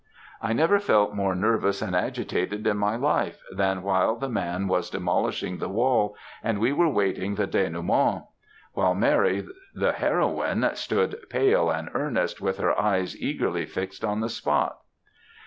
"'I never felt more nervous and agitated in my life, than while the man was demolishing the wall, and we were waiting the denouement; while Mary, the heroine, stood pale and earnest, with her eyes eagerly fixed on the spot.'